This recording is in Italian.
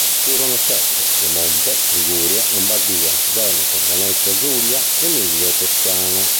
Furono sette: Piemonte, Liguria, Lombardia, Veneto, Venezia Giulia, Emilia e Toscana.